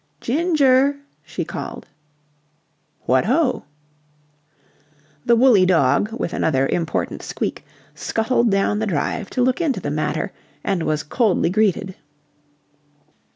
"Ginger," she called. "What ho!" The woolly dog, with another important squeak, scuttled down the drive to look into the matter, and was coldly greeted.